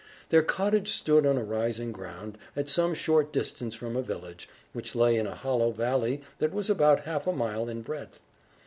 Their cottage stood on a rising ground, at some short distance from a village, which lay in a hollow valley that was about half a mile in breadth.